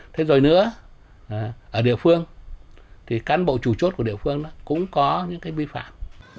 thế rồi nữa ở địa phương thì cán bộ chủ chốt của địa phương cũng có những cái vi phạm